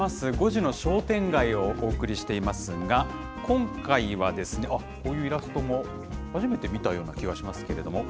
５時の商店街をお送りしていますが、今回は、あっ、こういうイラストも初めて見たような気がしますけれども。